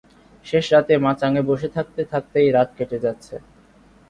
শেষ রাতে মাচাঙে বসে থাকতে থাকতেই রাত কেটে যাচ্ছে।